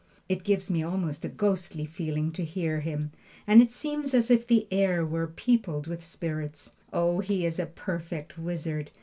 It gives me almost a ghostly feeling to hear him, and it seems as if the air were peopled with spirits. Oh, he is a perfect wizard!